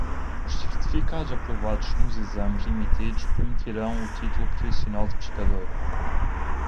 Os certificados aprovados nos exames emitidos permitirão o título profissional de pescador.